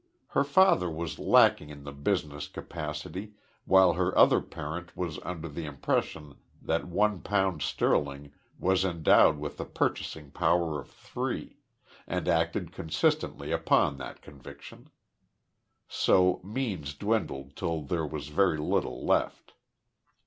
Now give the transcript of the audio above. Her father was lacking in the business capacity, while her other parent was under the impression that one pound sterling was endowed with the purchasing power of three, and acted consistently upon that conviction. So means dwindled till there was very little left.